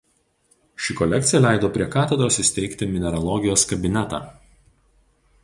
Ši kolekcija leido prie katedros įsteigti mineralogijos kabinetą.